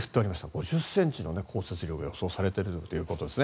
５０ｃｍの降雪量が予想されているということです。